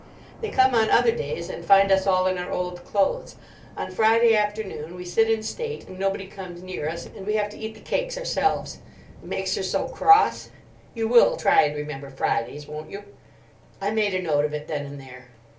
"They come on other days and find us all in our old clothes. On Friday afternoon we sit in state and nobody comes near us, and we have to eat the cakes ourselves. It makes her so cross. You will try and remember Fridays, won't you?" I made a note of it then and there.